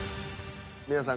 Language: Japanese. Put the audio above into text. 皆さん